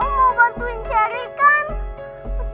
om mau bantuin cherry kan